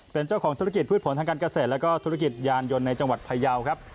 เป็นเจ้าของธุรกิจพืชผลทางการเกษตรแล้วก็ธุรกิจยานยนต์ในจังหวัดพยาวครับ